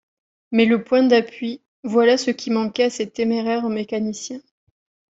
Mais le point d’appui, voilà ce qui manquait à ces téméraires mécaniciens.